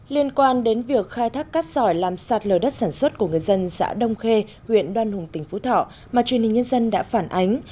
liên quan đến việc khai thác cát sỏi làm sạt lờ đất sản xuất của người dân xã đông khê huyện đoan hùng tỉnh phú thọ mà truyền hình nhân dân đã phản ánh